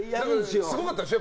すごかったでしょ